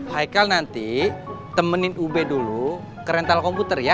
haikal nanti temenin ub dulu ke rental komputer ya